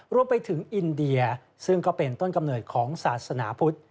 รวมไปถึงอินเดียซึ่งก็เป็นต้นกำเนิดของศาสนาพุทธ